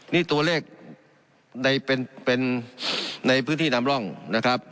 นี่ตัวเลขเป็นในพื้นที่นำร่องนะครับ